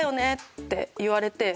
って言われて。